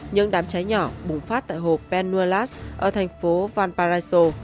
những đám trái nhỏ bùng phát tại hồ penuelas ở thành phố valparaiso